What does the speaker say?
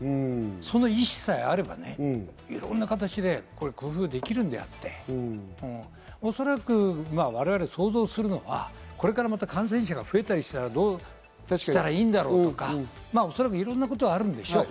その意志さえあればいろんな形で工夫できるのであって、おそらく我々想像するのは、これからまた感染者が増えたりしたらどうしたらいいんだろうとか、おそらくいろんなことがあるんでしょう。